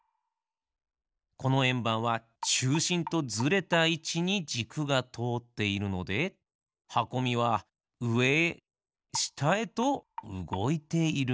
このえんばんはちゅうしんとずれたいちにじくがとおっているのではこみはうえへしたへとうごいているんですね。